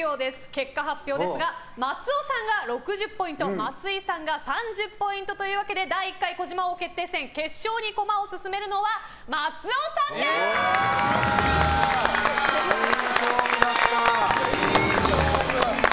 結果発表ですが松尾さんが６０ポイント増井さんが３０ポイントというわけで第１回児嶋王決定戦決勝に駒を進めるのはいい勝負だった。